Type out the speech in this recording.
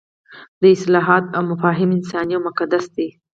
دا اصطلاحات او مفاهیم انساني او مقدس دي.